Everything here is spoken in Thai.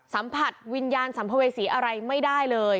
สัมผัสวิญญาณสัมภเวษีอะไรไม่ได้เลย